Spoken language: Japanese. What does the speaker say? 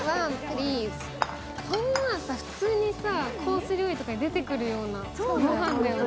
こんなの普通にコース料理に出てくるようなご飯だよね。